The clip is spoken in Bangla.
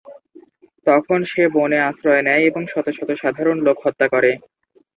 তখন সে বনে আশ্রয় নেয় এবং শত শত সাধারণ লোক হত্যা করে।